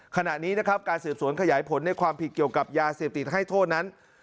ขณะนี้นะครับการสืบสวนขยายผลในความผิดเกี่ยวกับยาเสพติดให้โทษนั้น